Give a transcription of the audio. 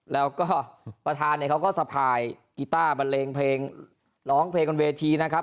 แล้วก็ประธานเนี่ยเขาก็สะพายกีต้าบันเลงเพลงร้องเพลงบนเวทีนะครับ